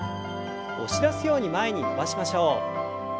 押し出すように前に伸ばしましょう。